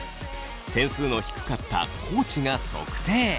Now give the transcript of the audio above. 点数の低かった地が測定。